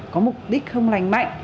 có mục đích không lành mạnh